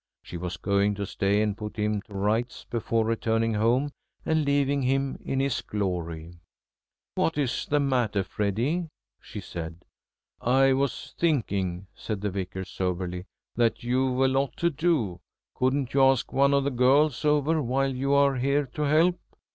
She was going to stay and put him to rights before returning home and leaving him in his glory. "What is the matter, Freddy?" she said. "I was thinking," said the Vicar soberly, "that you've a lot to do. Couldn't you ask one of the girls over while you are here to help?"